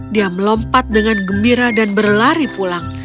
dia melompat dengan gembira dan berlari pulang